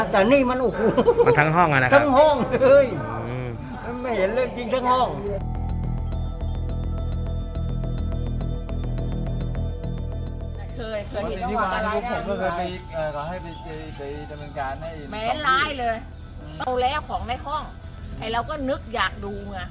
แต่นี่มันโอ้โหมันทั้งห้องอ่ะนะทั้งห้องยยยถึงทั้งห้อง